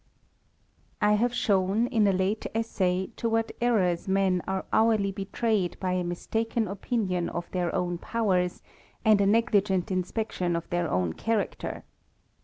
T HAVE shown, in a late essay, to what errours men are ■^ hourly betrayed by a mistaken opinion of their own powers, and a negligent inspection of their own character.